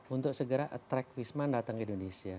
untuk segera attract wisman datang ke indonesia